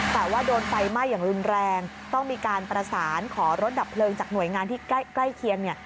แต่ว่าโดนไฟไหม้อย่างรุนแรงต้องมีการประสานขอรถดับเพลิงจากหน่วยงานที่ใกล้เคียงเนี่ย